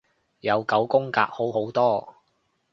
有九宮格好好多